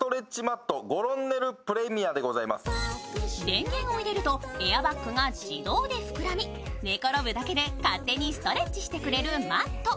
電源を入れるとエアバッグが自動的に膨らみ、寝転ぶだけで勝手にストレッチしてくれるマット。